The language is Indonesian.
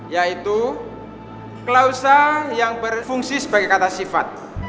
yaitu klausa yang berfungsi sebagai kata sifat